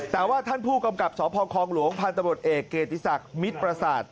แต่ว่าท่านผู้กำกับสพคองหลวงพันธบทเอกเกติศักดิ์มิตรประสาท